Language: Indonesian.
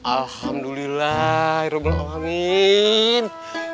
alhamdulillah ya rabbul'alamin